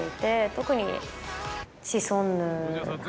特に。